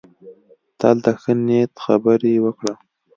تل د ښه نیت خبرې وکړه.